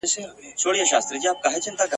ماشومانو په ځیر ځیر ورته کتله !.